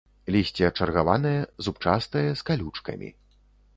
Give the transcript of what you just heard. Лісце чаргаванае, зубчастае, з калючкамі.